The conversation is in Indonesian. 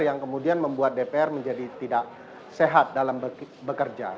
yang kemudian membuat dpr menjadi tidak sehat dalam bekerja